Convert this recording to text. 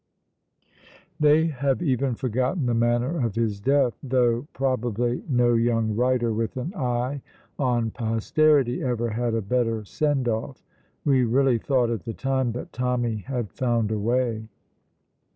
They have even forgotten the manner of his death, though probably no young writer with an eye on posterity ever had a better send off. We really thought at the time that Tommy had found a way.